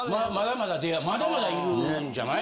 まだまだいるんじゃない？